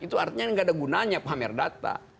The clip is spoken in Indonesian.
itu artinya nggak ada gunanya pamer data